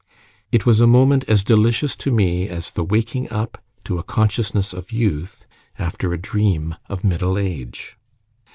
It was a moment as delicious to me as the waking up to a consciousness of youth after a dream of middle age.